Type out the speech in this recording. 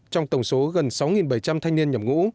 trong tổng số gần sáu bảy trăm linh thanh niên nhập ngũ